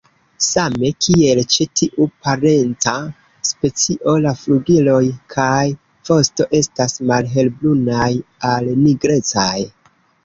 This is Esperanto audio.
Same kiel ĉe tiu parenca specio, la flugiloj kaj vosto estas malhelbrunaj al nigrecaj.